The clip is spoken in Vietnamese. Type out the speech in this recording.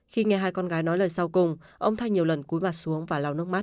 khi nghe hai con gái nói lời sau cùng ông thanh nhiều lần cúi mặt xuống và lao nước mắt